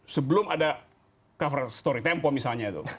sebelum ada cover story tempo misalnya itu